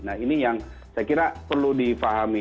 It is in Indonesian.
nah ini yang saya kira perlu difahami